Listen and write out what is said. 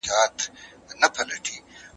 لويه جرګه د ټولو خلګو استازيتوب کوي.